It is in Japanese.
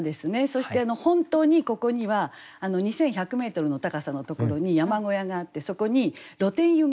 そして本当にここには２，１００メートルの高さのところに山小屋があってそこに露天湯があるんですね。